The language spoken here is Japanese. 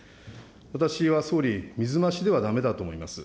私は総理、水増しではだめだと思います。